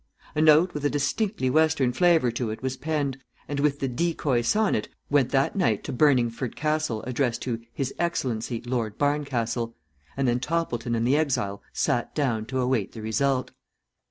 A note with a distinctly western flavour to it was penned, and with the "decoy" sonnet went that night to Burningford Castle addressed to "His Excellency, Lord Barncastle," and then Toppleton and the exile sat down to await the result.